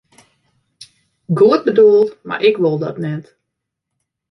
Goed bedoeld, mar ik wol dat net.